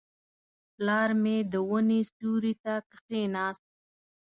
پلار مې د ونې سیوري ته کښېناست.